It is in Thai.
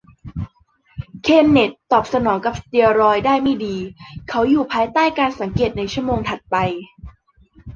เคนเนธตอบสนองกับสเตียรอยด์ได้ไม่ดี เขาอยู่ภายใต้การสังเกตในชั่วโมงถัดไป